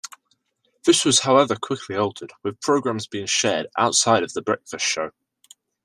This was however quickly altered, with programmes being shared outside of the breakfast show.